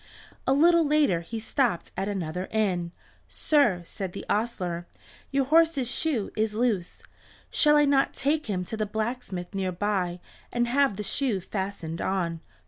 A little later he stopped at another inn. "Sir," said the ostler, "your horse's shoe is loose; shall I not take him to the blacksmith near by and have the shoe fastened on?"